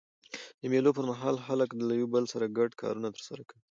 د مېلو پر مهال خلک له یو بل سره ګډ کارونه ترسره کوي.